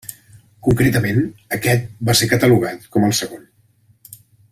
Concretament, aquest va ser catalogat com el segon.